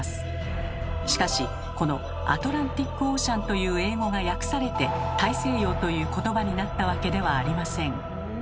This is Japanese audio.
しかしこの「アトランティック・オーシャン」という英語が訳されて「大西洋」という言葉になったわけではありません。